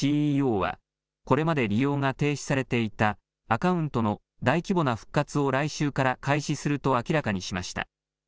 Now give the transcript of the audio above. ＣＥＯは、これまで利用が停止されていたアカウントの大規模な復活を来週から開始すると明らかにしました。